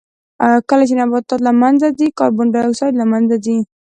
کله چې نباتات له منځه ځي کاربن ډای اکسایډ له منځه ځي.